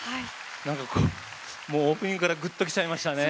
何かオープニングからぐっときちゃいましたね。